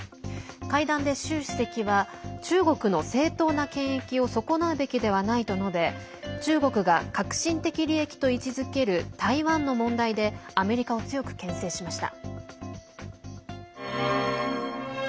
会談で習主席は中国の正当な権益を損なうべきではないと述べ中国が核心的利益と位置づける台湾の問題でアメリカを強くけん制しました。